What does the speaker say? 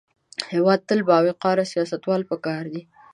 هېواد ته باوقاره سیاستوال پکار دي